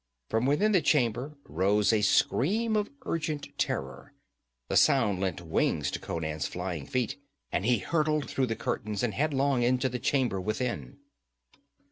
From within the chamber rose a scream of urgent terror. The sound lent wings to Conan's flying feet and he hurtled through the curtains and headlong into the chamber within.